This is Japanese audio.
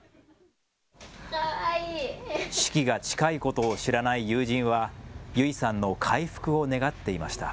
死期が近いことを知らない友人は優生さんの回復を願っていました。